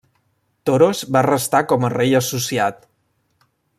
Toros va restar com a rei associat.